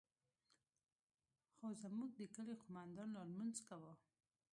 خو زموږ د كلي قومندان لا لمونځ كاوه.